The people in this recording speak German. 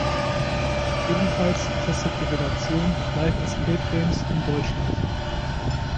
Ebenfalls testet die Redaktion Live Escape Games in Deutschland.